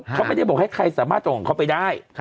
เขาไม่ได้บอกให้ใครสามารถส่งของเขาไปได้